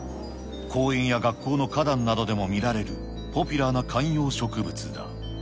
公園や学校の花壇などでも見られるポピュラーな観葉植物だ。